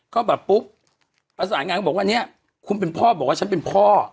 ก็แบบปุ๊ปคุณเป็นพ่อบอกว่าฉันเป็นพ่อ